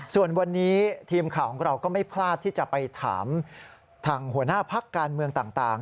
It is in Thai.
ส่วนวันนี้ทีมข่าวของเราก็ไม่พลาดที่จะไปถามทางหัวหน้าพักการเมืองต่าง